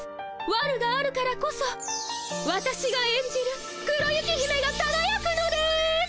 わるがあるからこそわたしが演じる黒雪姫がかがやくのです！